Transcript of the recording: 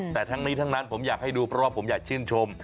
แต่ทั้งนี้ทั้งนั้นผมอยากให้ดูเพราะว่าผมอยากชื่นชม